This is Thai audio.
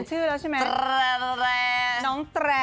เขาเปลี่ยนชื่อแล้วใช่ไหมน้องแตรร์